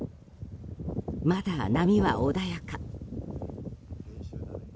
まだ、波は穏やか。